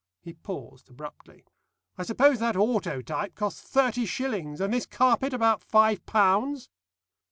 He paused abruptly. "I suppose that autotype cost thirty shillings, and this carpet about five pounds?"